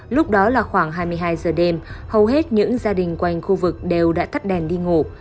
lúc đó là khoảng hai mươi hai giờ đêm hầu hết những gia đình quanh khu vực đều đã cắt đèn đi ngủ